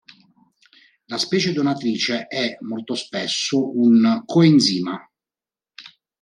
La specie donatrice è, molto spesso, un coenzima.